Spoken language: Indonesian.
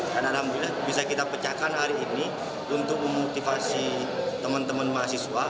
dan alhamdulillah bisa kita pecahkan hari ini untuk memotivasi teman teman mahasiswa